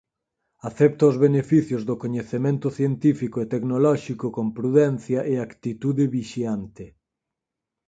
Acepta os beneficios do coñecemento científico e tecnolóxico con prudencia e actitude vixiante.